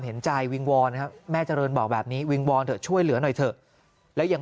เห็นใจวิงวอนแม่เจริญบอกแบบนี้ช่วยเหลือหน่อยเถอะแล้วยัง